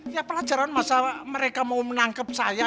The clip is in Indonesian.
ya pelajaran masa mereka mau menangkap saya